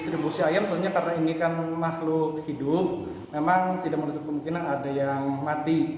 memang tidak menutup kemungkinan ada yang mati